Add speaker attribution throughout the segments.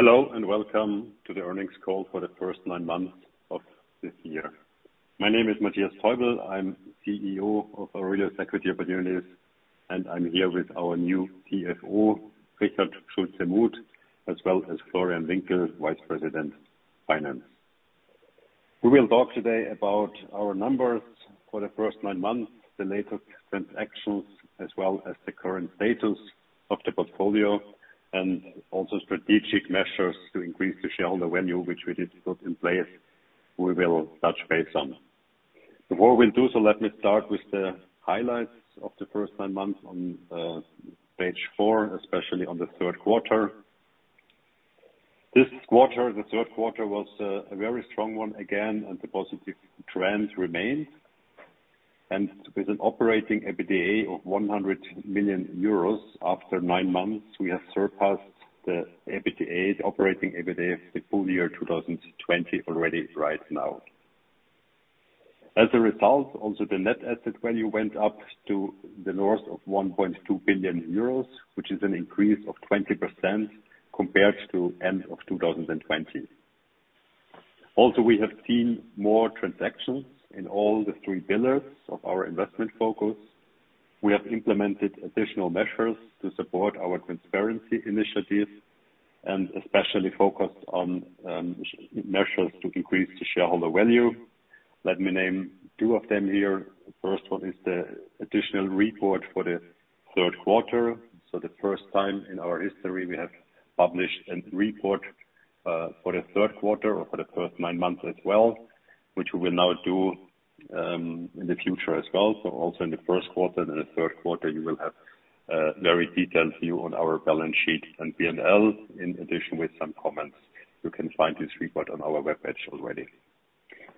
Speaker 1: Hello, and welcome to the earnings call for the first nine months of this year. My name is Matthias Täubl. I'm CEO of AURELIUS Equity Opportunities, and I'm here with our new CFO, Richard Schulze-Muth, as well as Florian Winkel, Vice President Finance. We will talk today about our numbers for the first nine months, the latest transactions, as well as the current status of the portfolio and also strategic measures to increase the shareholder value, which we did put in place. Before we do so, let me start with the highlights of the first nine months on page four, especially on the third quarter. This quarter, the third quarter was a very strong one again, and the positive trends remained. With an operating EBITDA of 100 million euros after nine months, we have surpassed the EBITDA, the operating EBITDA of the full year 2020 already right now. As a result, also the net asset value went up to the north of 1.2 billion euros, which is an increase of 20% compared to end of 2020. We have seen more transactions in all three pillars of our investment focus. We have implemented additional measures to support our transparency initiatives and especially focused on measures to increase the shareholder value. Let me name two of them here. The first one is the additional report for the third quarter. The first time in our history, we have published a report for the third quarter or for the first nine months as well, which we will now do in the future as well. Also, in the first quarter, then the third quarter, you will have a very detailed view on our balance sheet and P&L, in addition with some comments. You can find this report on our webpage already.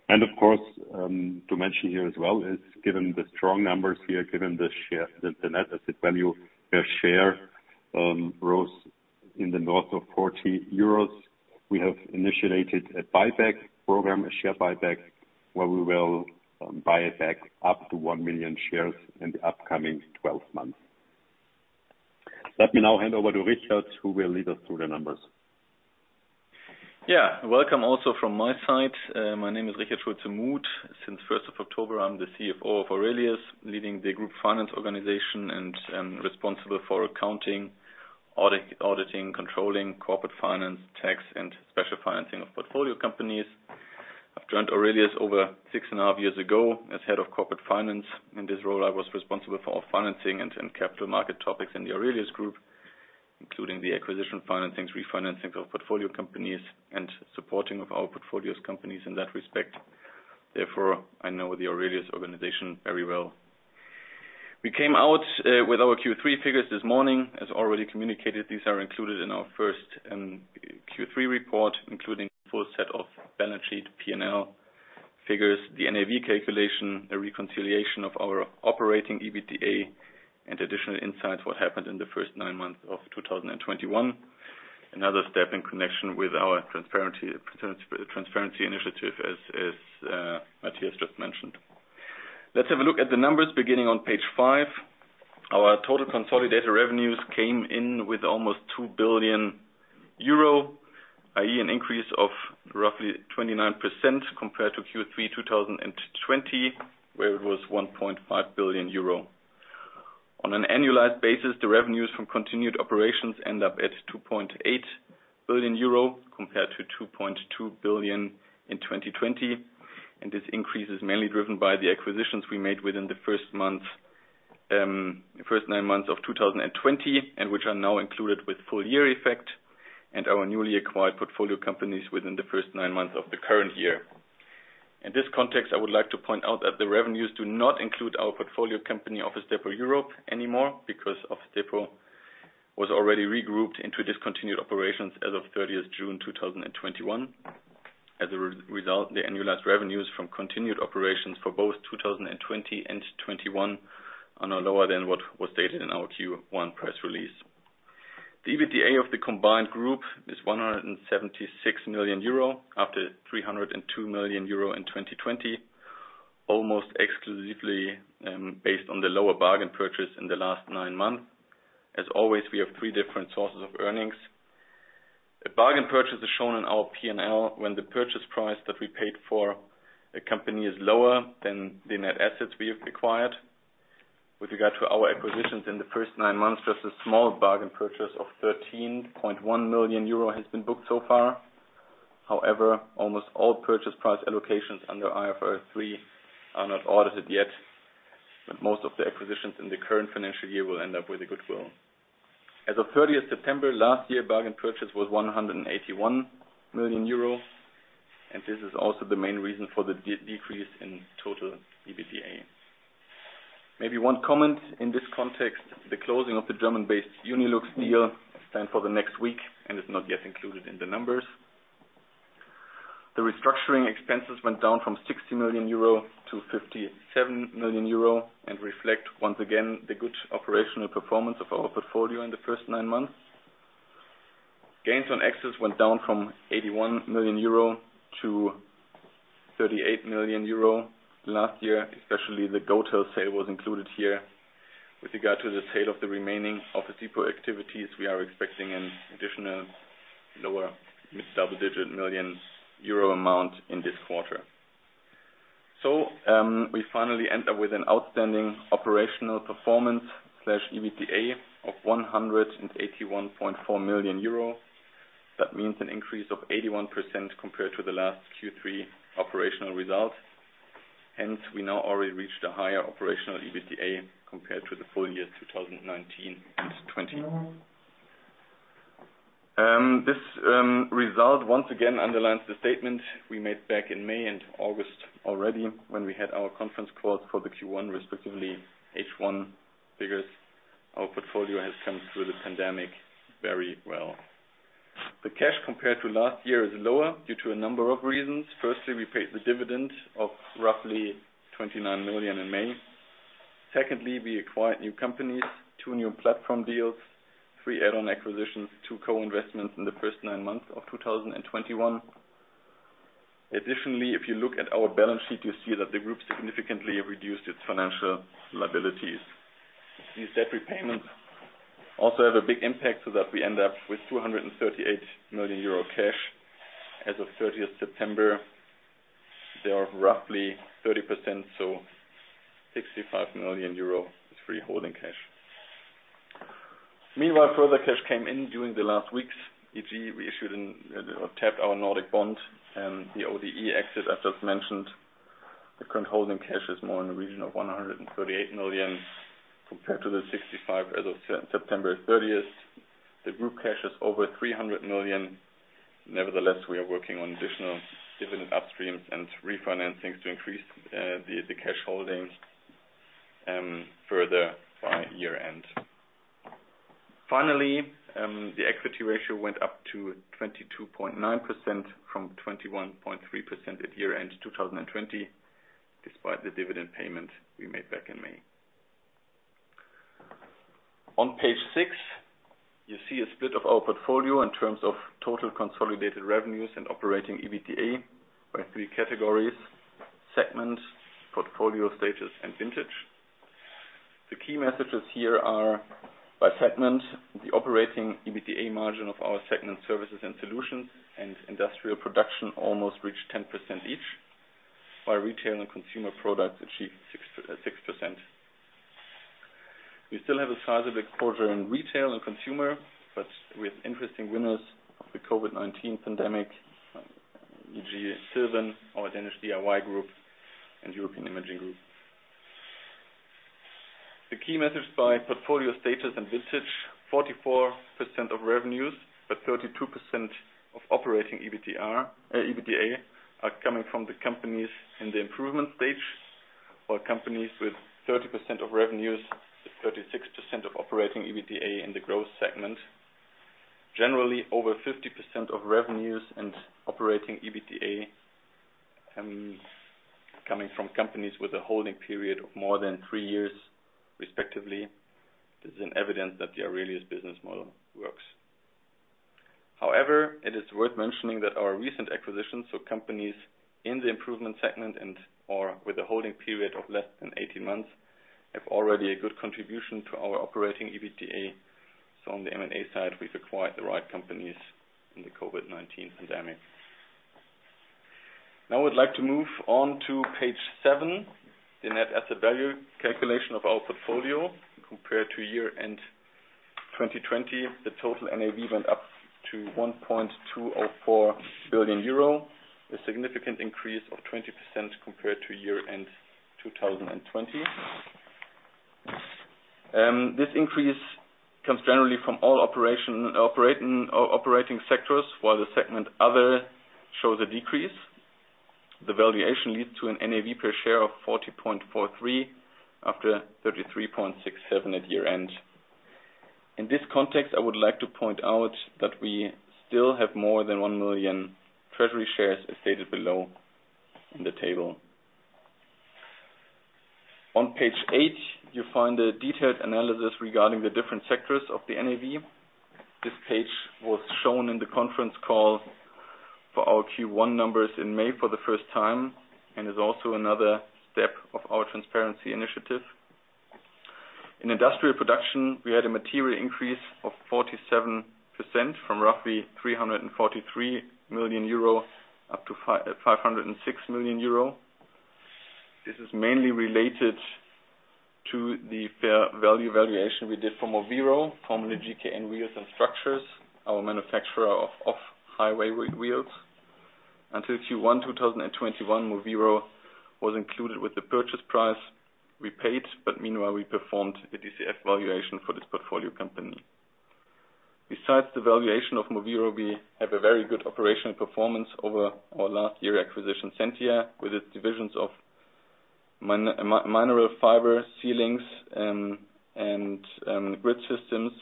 Speaker 1: Of course, to mention here as well is given the strong numbers here, given the share, the net asset value per share rose in the north of 40 euros. We have initiated a buyback program, a share buyback, where we will buy back up to 1 million shares in the upcoming 12 months. Let me now hand over to Richard, who will lead us through the numbers.
Speaker 2: Yeah. Welcome also from my side. My name is Richard Schulze-Muth. Since 1st of October, I'm the CFO of AURELIUS, leading the group finance organization and responsible for accounting, auditing, controlling, corporate finance, tax, and special financing of portfolio companies. I've joined Aurelius over six and a half years ago as Head of Corporate Finance. In this role, I was responsible for all financing and capital market topics in the AURELIUS Group, including the acquisition financings, refinancing of portfolio companies, and supporting of our portfolio companies in that respect. Therefore, I know the AURELIUS organization very well. We came out with our Q3 figures this morning. As already communicated, these are included in our first Q3 report, including full set of balance sheet P&L figures, the NAV calculation, a reconciliation of our operating EBITDA, and additional insights what happened in the first nine months of 2021. Another step in connection with our transparency initiative, as Matthias just mentioned. Let's have a look at the numbers beginning on page five. Our total consolidated revenues came in with almost 2 billion euro, i.e. an increase of roughly 29% compared to Q3 2020, where it was 1.5 billion euro. On an annualized basis, the revenues from continued operations end up at 2.8 billion euro compared to 2.2 billion in 2020, and this increase is mainly driven by the acquisitions we made within the first nine months of 2020, and which are now included with full-year effect and our newly acquired portfolio companies within the first nine months of the current year. In this context, I would like to point out that the revenues do not include our portfolio company, Office Depot Europe, anymore because Office Depot was already regrouped into discontinued operations as of 30th June 2021. As a result, the annualized revenues from continued operations for both 2020 and 2021 are now lower than what was stated in our Q1 press release. The EBITDA of the combined group is 176 million euro, after 302 million euro in 2020, almost exclusively based on the lower bargain purchase in the last nine months. As always, we have three different sources of earnings. A bargain purchase is shown in our P&L when the purchase price that we paid for a company is lower than the net assets we have acquired. With regard to our acquisitions in the first nine months, just a small bargain purchase of 13.1 million euro has been booked so far. However, almost all purchase price allocations under IFRS 3 are not audited yet, but most of the acquisitions in the current financial year will end up with a goodwill. As of 30th September last year, bargain purchase was 181 million euro, and this is also the main reason for the decrease in total EBITDA. Maybe one comment in this context, the closing of the German-based UNILUX deal is planned for the next week and is not yet included in the numbers. The restructuring expenses went down from 60 million euro to 57 million euro and reflect, once again, the good operational performance of our portfolio in the first nine months. Gains on exits went down from 81 million euro to 38 million euro last year, especially the Ghotel sale was included here. With regard to the sale of the remaining Office Depot activities, we are expecting an additional lower mid-double-digit million EUR amount in this quarter. We finally end up with an outstanding operational performance/EBITDA of 181.4 million euro. That means an increase of 81% compared to the last Q3 operational results. Hence, we now already reached a higher operational EBITDA compared to the full year 2019 and 2020. This result once again underlines the statement we made back in May and August already, when we had our conference call for the Q1, respectively H1 figures. Our portfolio has come through the pandemic very well. The cash compared to last year is lower due to a number of reasons. Firstly, we paid the dividend of roughly 29 million in May. Secondly, we acquired new companies, two new platform deals, three add-on acquisitions, two co-investments in the first nine months of 2021. Additionally, if you look at our balance sheet, you see that the group significantly reduced its financial liabilities. These debt repayments also have a big impact, so that we end up with 238 million euro cash as of 30th September. There are roughly 30%, so 65 million euro is free holding cash. Meanwhile, further cash came in during the last weeks. E.g., we issued and tapped our Nordic bond and the ODE exit, as just mentioned. The current holding cash is more in the region of 138 million compared to the 65 million as of September 30th. The group cash is over 300 million. Nevertheless, we are working on additional dividend upstreams and refinancings to increase the cash holdings further by year-end. Finally, the equity ratio went up to 22.9% from 21.3% at year-end 2020, despite the dividend payment we made back in May. On page six, you see a split of our portfolio in terms of total consolidated revenues and operating EBITDA by three categories, segment, portfolio status, and vintage. The key messages here are by segment, the operating EBITDA margin of our segment services and solutions and industrial production almost reached 10% each, while retail and consumer products achieved 6%. We still have a sizable quarter in retail and consumer, but with interesting winners of the COVID-19 pandemic, e.g., Silvan, our Danish DIY group, and European Imaging Group. The key message by portfolio status and vintage, 44% of revenues, but 32% of operating EBITDA are coming from the companies in the improvement stage, while companies with 30% of revenues, 36% of operating EBITDA in the growth segment. Generally, over 50% of revenues and operating EBITDA coming from companies with a holding period of more than three years, respectively. This is an evidence that the AURELIUS business model works. However, it is worth mentioning that our recent acquisitions, so companies in the improvement segment and or with a holding period of less than 18 months, have already a good contribution to our operating EBITDA. On the M&A side, we've acquired the right companies in the COVID-19 pandemic. Now I'd like to move on to page seven, the net asset value calculation of our portfolio compared to year-end 2020. The total NAV went up to 1.204 billion euro, a significant increase of 20% compared to year-end 2020. This increase comes generally from all operating sectors, while the segment other shows a decrease. The valuation leads to an NAV per share of 40.43 after 33.67 at year-end. In this context, I would like to point out that we still have more than 1 million treasury shares, as stated below in the table. On page eight, you find a detailed analysis regarding the different sectors of the NAV. This page was shown in the conference call for our Q1 numbers in May for the first time and is also another step of our transparency initiative. In industrial production, we had a material increase of 47% from roughly 343 million euro up to 506 million euro. This is mainly related to the fair value valuation we did for moveero, formerly GKN Wheels & Structures, our manufacturer of off-highway wheels. Until Q1 2021, moveero was included with the purchase price we paid, but meanwhile, we performed a DCF valuation for this portfolio company. Besides the valuation of moveero, we have a very good operational performance over our last year acquisition, Zentia, with its divisions of mineral fiber ceilings and grid systems.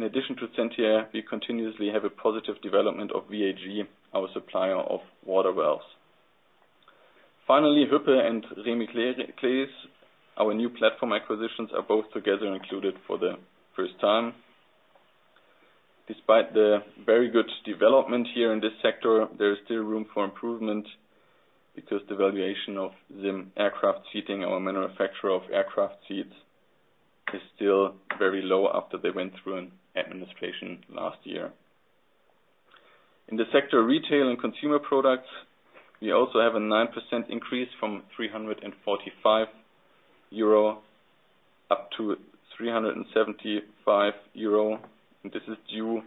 Speaker 2: In addition to Zentia, we continuously have a positive development of VAG, our supplier of water valves. Finally, Hüppe and Remi Claeys, our new platform acquisitions, are both together included for the first time. Despite the very good development here in this sector, there is still room for improvement because the valuation of the aircraft seating or manufacturer of aircraft seats is still very low after they went through an administration last year. In the sector retail and consumer products, we also have a 9% increase from 345 euro up to 375 euro. This is due,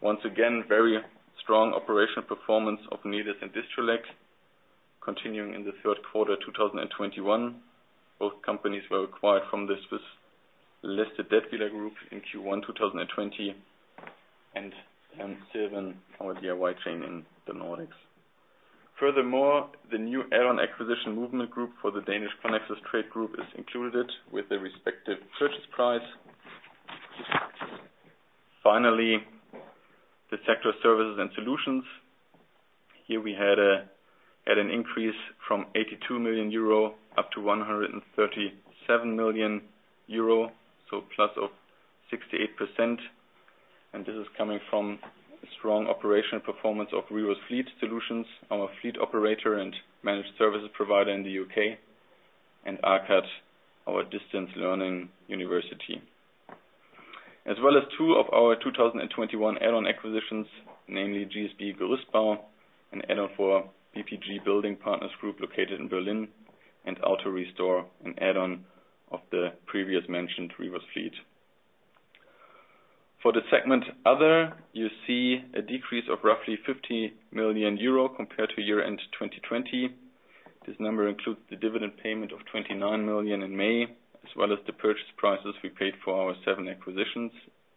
Speaker 2: once again, very strong operational performance of Nedis and Distrelec continuing in the third quarter 2021. Both companies were acquired from the Swiss-listed Dätwyler Group in Q1 2020 and in 2017, our DIY chain in the Nordics. Furthermore, the new add-on acquisition, Movement Group for the Danish Conaxess Trade Group, is included with the respective purchase price. Finally, the sector services and solutions. Here we had an increase from 82 million euro up to 137 million euro, so +68%. This is coming from a strong operational performance of Rivus Fleet Solutions, our fleet operator and managed services provider in the U.K., and AKAD, our distance learning university. As well as two of our 2021 add-on acquisitions, namely GSB Gerüstbau, an add-on for BPG Building Partners Group located in Berlin, and AutoRestore, an add-on of the previously mentioned Rivus Fleet. For the segment other, you see a decrease of roughly 50 million euro compared to year-end 2020. This number includes the dividend payment of 29 million in May, as well as the purchase prices we paid for our seven acquisitions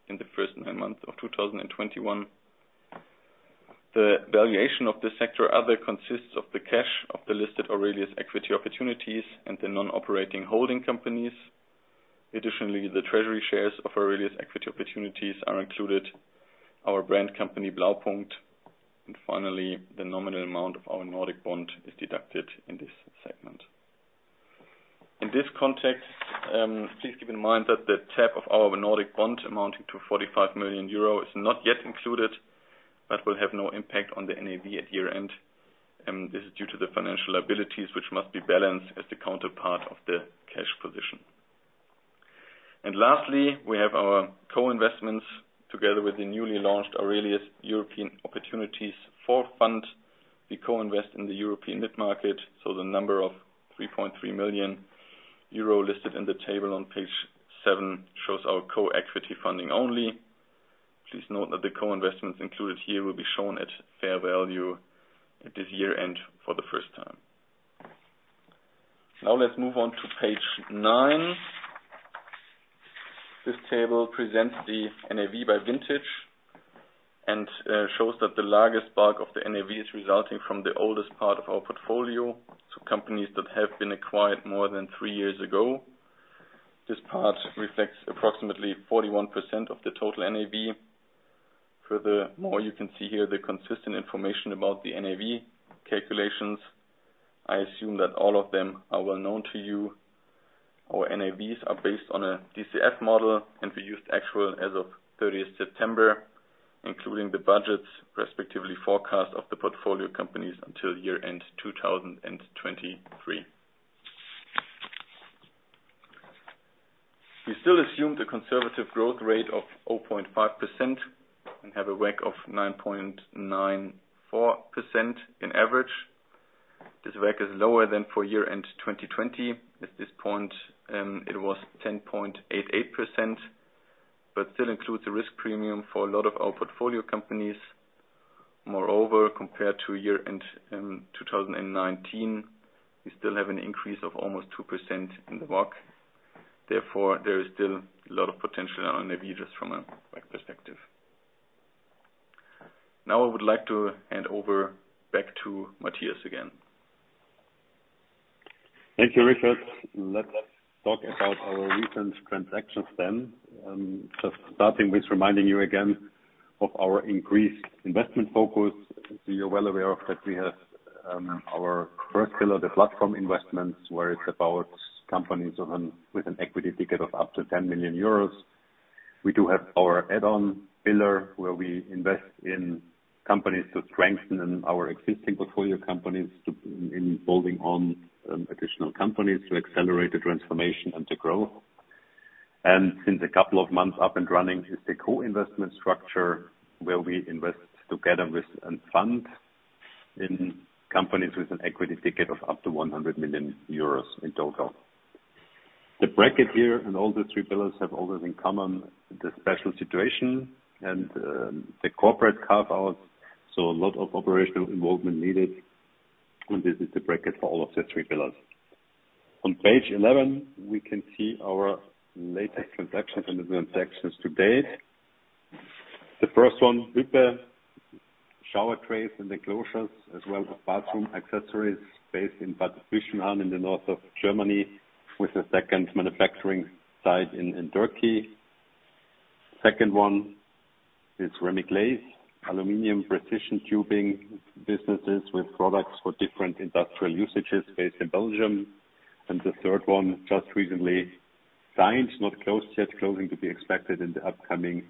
Speaker 2: in the first nine months of 2021. The valuation of the sector other consists of the cash of the listed AURELIUS Equity Opportunities and the non-operating holding companies. Additionally, the treasury shares of AURELIUS Equity Opportunities are included, our brand company Blaupunkt, and finally, the nominal amount of our Nordic bond is deducted in this segment. In this context, please keep in mind that the tap of our Nordic bond amounting to 45 million euro is not yet included, but will have no impact on the NAV at year-end, and this is due to the financial liabilities which must be balanced as the counterpart of the cash position. Lastly, we have our co-investments together with the newly launched AURELIUS European Opportunities IV fund. We co-invest in the European mid-market, so the number of 3.3 million euro listed in the table on page seven shows our co-equity funding only. Please note that the co-investments included here will be shown at fair value at this year-end for the first time. Now let's move on to page nine. This table presents the NAV by vintage and shows that the largest bulk of the NAV is resulting from the oldest part of our portfolio, so companies that have been acquired more than three years ago. This part reflects approximately 41% of the total NAV. Furthermore, you can see here the consistent information about the NAV calculations. I assume that all of them are well known to you. Our NAVs are based on a DCF model, and we used actual as of 30th September, including the budgets, respectively, forecast of the portfolio companies until year-end 2023. We still assume the conservative growth rate of 0.5% and have a WACC of 9.94% on average. This WACC is lower than for year-end 2020. At this point, it was 10.88%, but still includes a risk premium for a lot of our portfolio companies. Moreover, compared to year-end 2019, we still have an increase of almost 2% in the WACC. Therefore, there is still a lot of potential on NAV just from a WACC perspective. Now I would like to hand over back to Matthias again.
Speaker 1: Thank you, Richard. Let's talk about our recent transactions, then. Just starting with reminding you again of our increased investment focus. You're well aware that we have our first pillar, the platform investments, where it's about companies with an equity ticket of up to 10 million euros. We do have our add-on pillar, where we invest in companies to strengthen our existing portfolio companies in building on additional companies to accelerate the transformation and to grow. Since a couple of months up and running is the co-investment structure, where we invest together with a fund in companies with an equity ticket of up to 100 million euros in total. The bracket here and all the three pillars have all this in common, the special situation and the corporate carve-outs, so a lot of operational involvement needed, and this is the bracket for all of the three pillars. On page 11, we can see our latest transactions and the transactions to date. The first one, Hüppe and Remi Claeys, shower trays and enclosures, as well as bathroom accessories, based in Bad Zwischenahn in the north of Germany, with a second manufacturing site in Turkey. The second one is Remi Claeys Aluminium, precision tubing businesses with products for different industrial usages based in Belgium. The third one, just recently signed, not closed yet, closing to be expected in the upcoming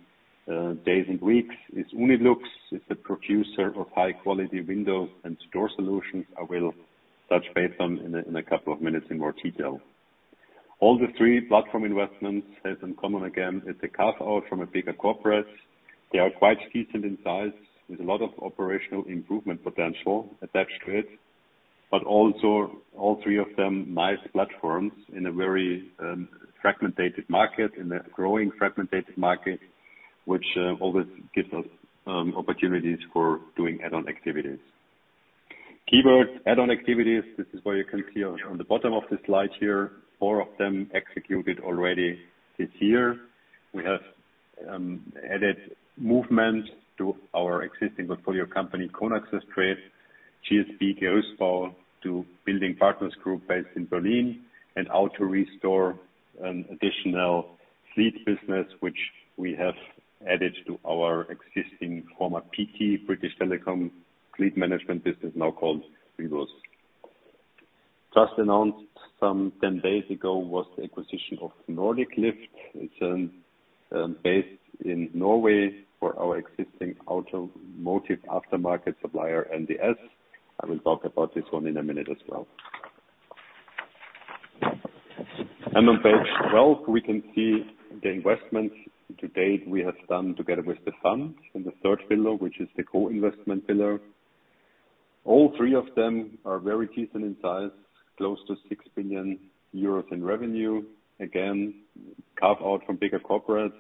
Speaker 1: days and weeks, is UNILUX. It's a producer of high-quality windows and door solutions. I will touch base on in a couple of minutes in more detail. All the three platform investments has in common, again, it's a carve-out from a bigger corporate. They are quite decent in size with a lot of operational improvement potential attached to it, but also all three of them, nice platforms in a very fragmented market, in a growing fragmented market, which always gives us opportunities for doing add-on activities. Keywords add-on activities. This is where you can see on the bottom of the slide here, four of them executed already this year. We have added Movement to our existing portfolio company, Conaxess Trade, GSB Gerüstbau to Building Partners Group based in Berlin and AutoRestore, an additional fleet business, which we have added to our existing former BT, British Telecom fleet management business, now called Rivus. Just announced some 10 days ago was the acquisition of Nordic Lift. It's based in Norway for our existing automotive aftermarket supplier, NDS. I will talk about this one in a minute as well. On page 12, we can see the investments to date we have done together with the fund in the third pillar, which is the co-investment pillar. All three of them are very decent in size, close to 6 billion euros in revenue. Again, carve-out from bigger corporates.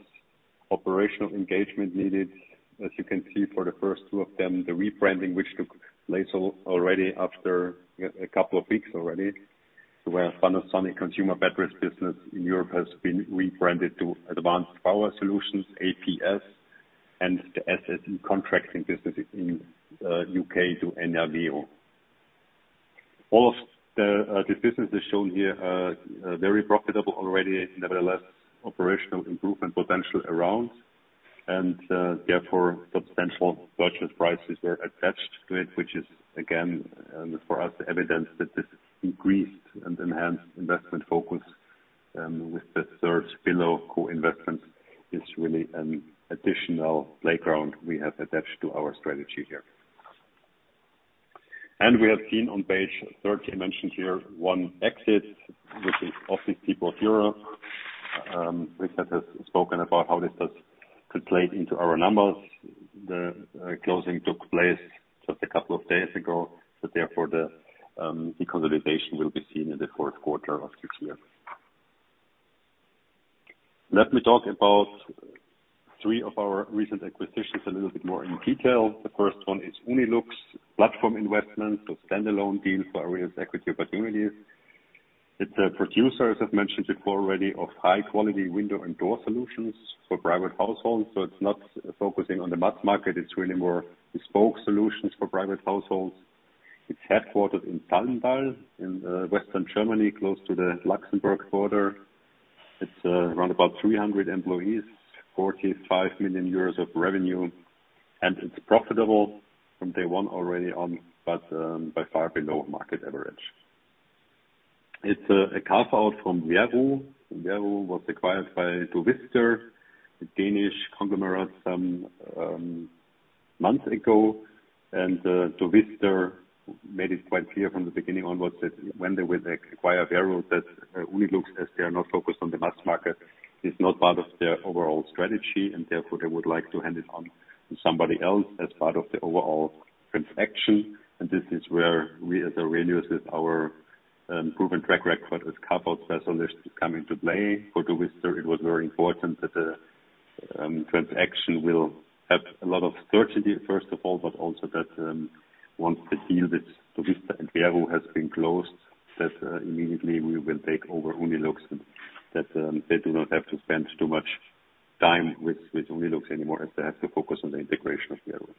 Speaker 1: Operational engagement needed. As you can see for the first two of them, the rebranding, which took place already after a couple of weeks already, where Panasonic consumer batteries business in Europe has been rebranded to Advanced Power Solutions, APS, and the SSE Contracting business in the U.K. to Enerveo. All of the businesses shown here are very profitable already. Nevertheless, operational improvement potential, therefore, substantial purchase prices are attached to it, which is again, for us, evidence that this increased and enhanced investment focus, with the third pillar of co-investment, is really an additional playground we have attached to our strategy here. We have seen on page 13 mentioned here one exit, which is Office Depot Europe. Richard has spoken about how this has played into our numbers. The closing took place just a couple of days ago, so therefore the deconsolidation will be seen in the fourth quarter of this year. Let me talk about three of our recent acquisitions a little bit more in detail. The first one is UNILUX platform investment, a standalone deal for AURELIUS Equity Opportunities. It's a producer, as I've mentioned before already, of high-quality window and door solutions for private households. It's not focusing on the mass market. It's really more bespoke solutions for private households. It's headquartered in Salmtal in western Germany, close to the Luxembourg border. It's around about 300 employees, 45 million euros of revenue, and it's profitable from day one already on, but by far below market average. It's a carve-out from WERU. WERU was acquired by DOVISTA, a Danish conglomerate, some months ago. DOVISTA made it quite clear from the beginning onwards that when they will acquire WERU, that UNILUX, as they are not focused on the mass market, is not part of their overall strategy, and therefore they would like to hand it on to somebody else as part of the overall transaction. This is where we, as AURELIUS, with our proven track record with carve-out specialists, come into play. For DOVISTA, it was very important that the transaction will have a lot of certainty, first of all, but also that, once the deal with DOVISTA and WERU has been closed, that, immediately we will take over UNILUX and that they do not have to spend too much time with UNILUX anymore, as they have to focus on the integration of WERU.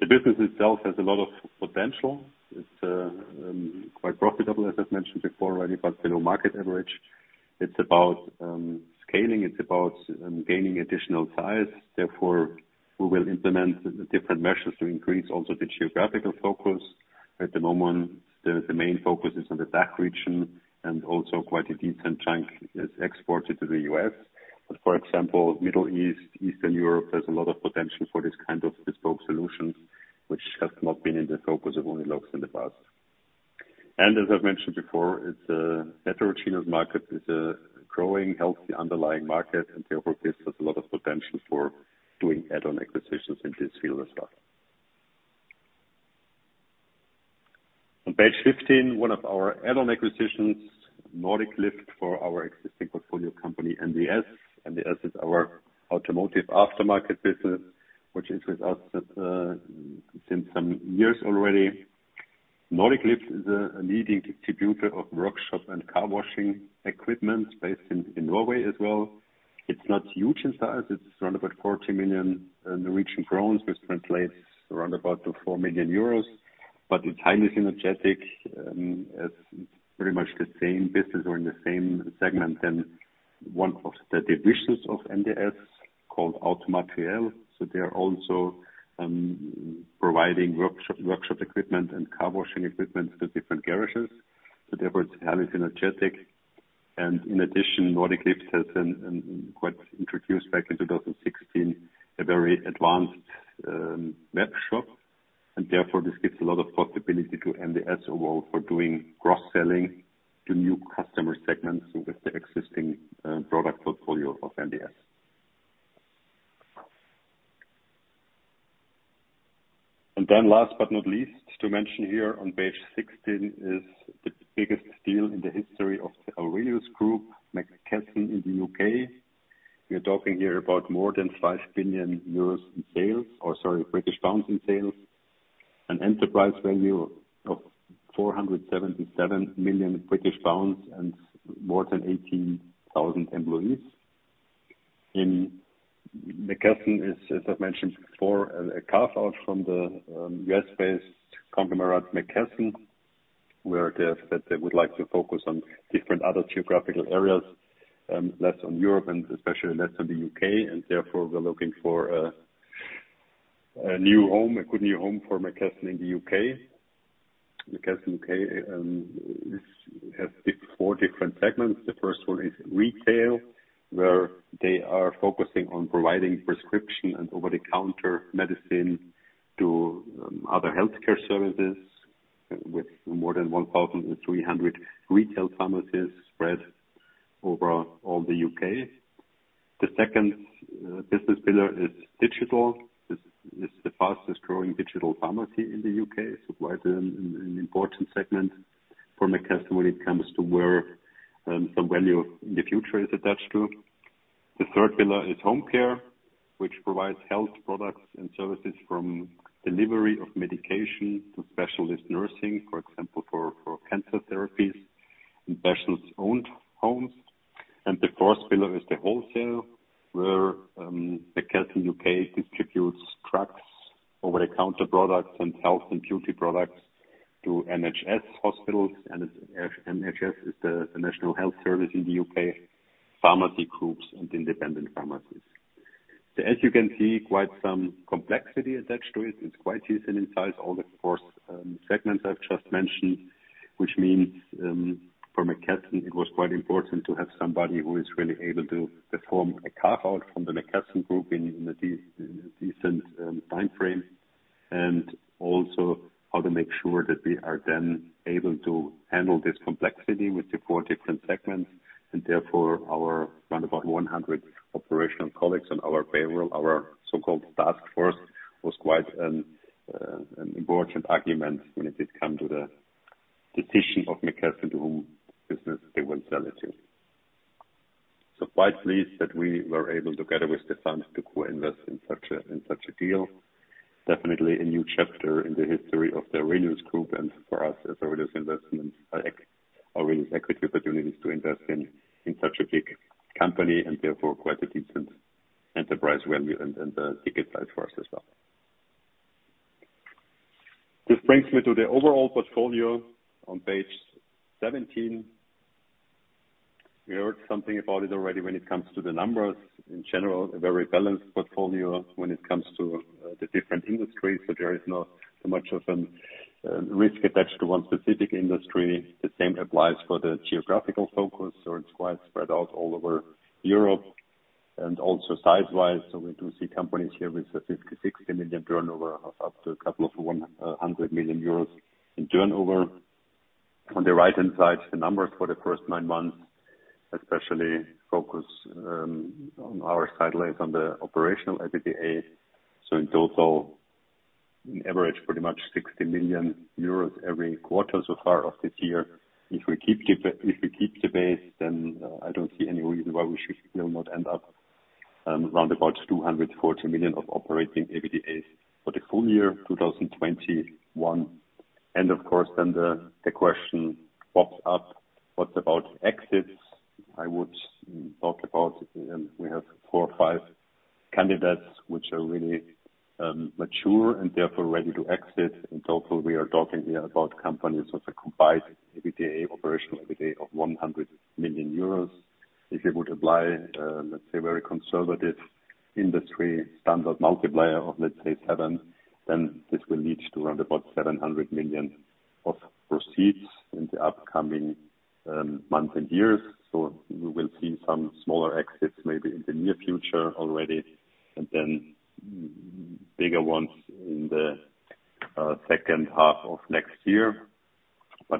Speaker 1: The business itself has a lot of potential. It's quite profitable, as I've mentioned before already, but below market average. It's about scaling. It's about gaining additional size. Therefore, we will implement different measures to increase also the geographical focus. At the moment, the main focus is on the DACH region and also quite a decent chunk is exported to the U.S. For example, Middle East, Eastern Europe has a lot of potential for this kind of bespoke solutions, which has not been in the focus of UNILUX in the past. As I've mentioned before, it's a heterogeneous market, it's a growing, healthy underlying market, and therefore, this has a lot of potential for doing add-on acquisitions in this field as well. On page 15, one of our add-on acquisitions, Nordic Lift, for our existing portfolio company, NDS. NDS is our automotive aftermarket business, which interests us since some years already. Nordic Lift is a leading distributor of workshop and car washing equipment based in Norway as well. It's not huge in size. It's around about 40 million, which translates around about to 4 million euros. It's highly synergistic as pretty much the same business or in the same segment, and one of the divisions of NDS called AutoMaterial, so they are also providing workshop equipment and car washing equipment to different garages, but therefore it's highly synergistic. In addition, Nordic Lift has introduced back in 2016 a very advanced webshop, and therefore this gives a lot of possibility to NDS overall for doing cross-selling to new customer segments with the existing product portfolio of NDS. Then last but not least, to mention here on page 16 is the biggest deal in the history of the AURELIUS Group, McKesson U.K. We are talking here about more than GBP 5 billion in sales or sorry, British pounds in sales. An enterprise value of 477 million British pounds and more than 18,000 employees. McKesson is, as I've mentioned before, a carve-out from the U.S.-based conglomerate McKesson, where they've said they would like to focus on different other geographical areas, less on Europe and especially less on the U.K., and therefore we're looking for a new home, a good new home for McKesson in the U.K. McKesson U.K. has four different segments. The first one is retail, where they are focusing on providing prescription and over-the-counter medicine to other healthcare services, with more than 1,300 retail pharmacies spread over all the U.K. The second business pillar is digital. This is the fastest-growing digital pharmacy in the U.K., so quite an important segment for McKesson when it comes to where the value of the future is attached to. The third pillar is home care, which provides health products and services from delivery of medication to specialist nursing, for example, for cancer therapies in patients' own homes. The fourth pillar is the wholesale, where McKesson U.K. distributes drugs, over-the-counter products and health and beauty products to NHS hospitals, and NHS is the National Health Service in the U.K., pharmacy groups and independent pharmacies. As you can see, quite some complexity attached to it. It's quite easy in size, all the four segments I've just mentioned, which means, for McKesson, it was quite important to have somebody who is really able to perform a carve-out from the McKesson Group in a decent time frame. Also, how to make sure that we are then able to handle this complexity with the four different segments, and therefore our round about 100 operational colleagues on our payroll, our so-called task force, was quite an important argument when it did come to the decision of McKesson to whom business they will sell it to. Quite pleased that we were able to get it with the funds to co-invest in such a deal. Definitely a new chapter in the history of the AURELIUS Group, and for us as AURELIUS Equity Opportunities to invest in such a big company and therefore quite a decent enterprise value and ticket size for us as well. This brings me to the overall portfolio on page 17. We heard something about it already when it comes to the numbers. In general, a very balanced portfolio when it comes to the different industries. There is not so much of a risk attached to one specific industry. The same applies for the geographical focus, so it's quite spread out all over Europe. Also, size-wise, we do see companies here with 50 million, 60 million turnover up to a couple of 100 million euros in turnover. On the right-hand side, the numbers for the first nine months, especially focus on our sidelines on the operational EBITDA. In total, on average, pretty much 60 million euros every quarter so far of this year. If we keep the pace, then I don't see any reason why we should not end up round about 240 million of operating EBITDA for the full year 2021. Of course, then the question pops up, what about exits? I would talk about we have four or five candidates which are really mature and therefore ready to exit. In total, we are talking here about companies with a combined EBITDA, operational EBITDA of 100 million euros. If you would apply, let's say very conservative industry standard multiplier of, let's say, seven, then this will lead to around about 700 million of proceeds in the upcoming months and years. We will see some smaller exits maybe in the near future already, and then bigger ones in the second half of next year.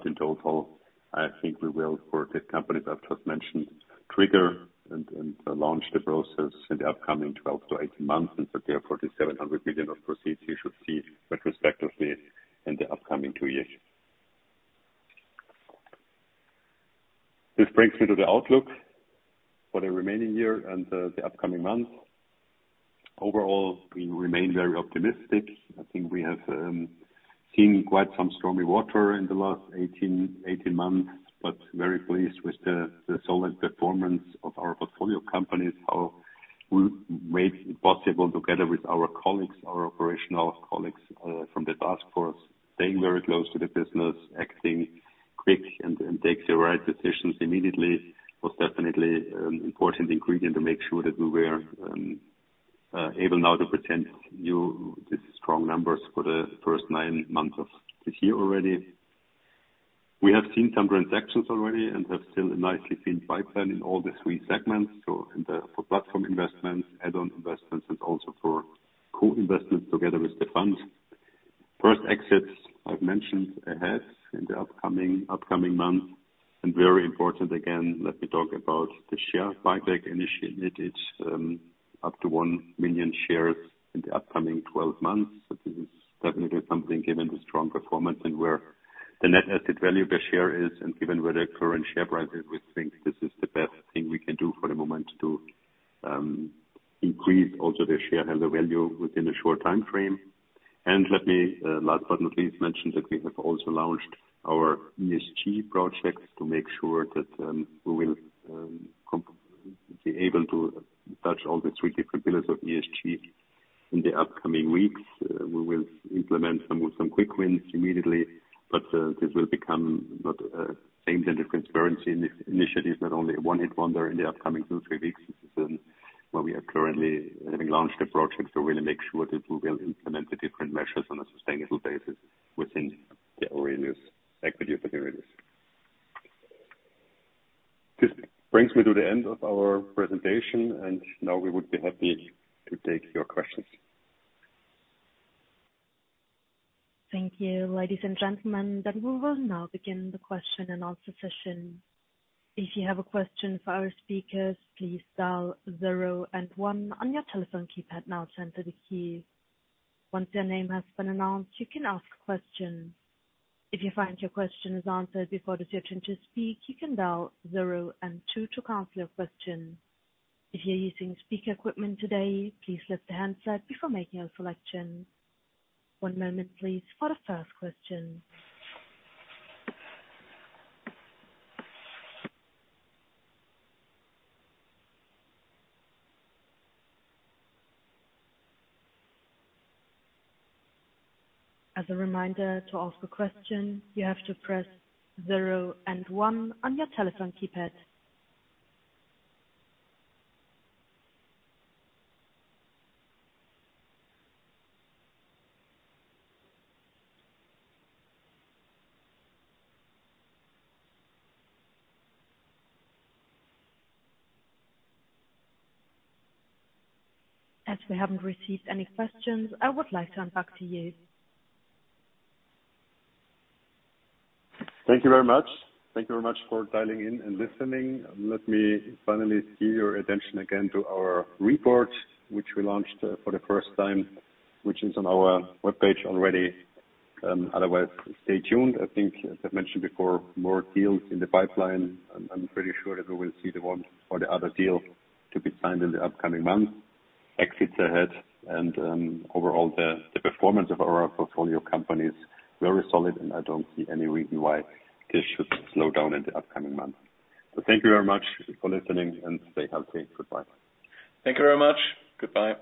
Speaker 1: In total, I think we will for the companies I've just mentioned, trigger and launch the process in the upcoming 12 to 18 months, and so therefore, the 700 million of proceeds you should see retrospectively in the upcoming two years. This brings me to the outlook for the remaining year and the upcoming months. Overall, we remain very optimistic. I think we have seen quite some stormy water in the last 18 months, but very pleased with the solid performance of our portfolio companies. We made it possible together with our colleagues, our operational colleagues from the task force, staying very close to the business, acting quick and take the right decisions immediately was definitely an important ingredient to make sure that we were able now to present you the strong numbers for the first nine months of this year already. We have seen some transactions already and have still a nicely thin pipeline in all the three segments, for platform investments, add-on investments, and also for co-investments together with the funds. First exits I've mentioned ahead in the upcoming month, and very important again, let me talk about the share buyback initiative. Up to 1 million shares in the upcoming 12 months. This is definitely something, given the strong performance, and where the net asset value per share is, and given where the current share price is, we think this is the best thing we can do for the moment to increase also the shareholder value within a short time frame. Let me last but not least mention that we have also launched our ESG project to make sure that we will be able to touch all the three different pillars of ESG in the upcoming weeks. We will implement some quick wins immediately, but this will become not the same type of transparency in this initiative, not only a one-hit wonder in the upcoming two, three weeks. This is where we are currently having launched a project to really make sure that we will implement the different measures on a sustainable basis within the AURELIUS Equity Opportunities. This brings me to the end of our presentation, and now we would be happy to take your questions.
Speaker 3: Thank you, ladies and gentlemen. We will now begin the question and answer session. If you have a question for our speakers, please dial zero and one on your telephone keypad now to send to the queue. Once your name has been announced, you can ask a question. If you find your question is answered before it is your turn to speak, you can dial zero and two to cancel your question. If you're using speaker equipment today, please lift the handset before making a selection. One moment, please, for the first question. As a reminder, to ask a question, you have to press zero and one on your telephone keypad. As we haven't received any questions, I would like to hand back to you.
Speaker 1: Thank you very much. Thank you very much for dialing in and listening. Let me finally steer your attention again to our report, which we launched for the first time, which is on our webpage already. Otherwise, stay tuned. I think, as I've mentioned before, more deals in the pipeline. I'm pretty sure that we will see the one or the other deal to be signed in the upcoming months. Exits ahead, and overall, the performance of our portfolio company is very solid, and I don't see any reason why this should slow down in the upcoming months. Thank you very much for listening, and stay healthy. Goodbye.
Speaker 2: Thank you very much. Goodbye.